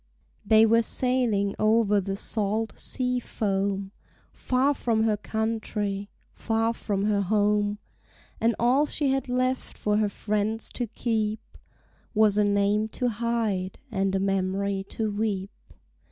They were sailing over the salt sea foam, Far from her country, far from her home; And all she had left for her friends to keep Was a name to hide and a memory to weep!